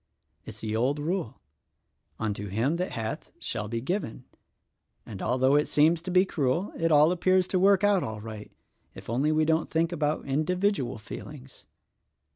It's the old rule, 'Unto him that hath shall be given' and, although it seems to be cruel, it all appears to work out all right — if only we don't think about individual feelings."